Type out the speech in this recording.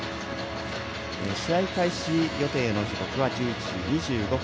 試合開始予定の時刻は１１時２５分。